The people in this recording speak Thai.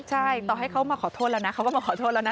ใช่ต่อให้เขามาขอโทษแล้วนะเขาก็มาขอโทษแล้วนะ